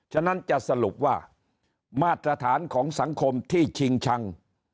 ฉะนั้นจะสรุปว่ามาตรฐานของสังคมที่ชิงชัง